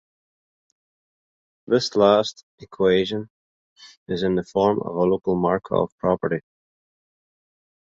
This last equation is in the form of a local Markov property.